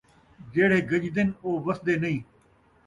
جیڑھے گجدن ، او وسدے نئیں